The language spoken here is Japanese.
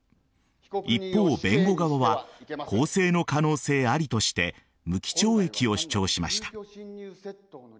一方、弁護側は更生の可能性ありとして無期懲役を主張しました。